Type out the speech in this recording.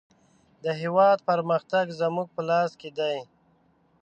د هېواد پرمختګ زموږ په لاس کې دی.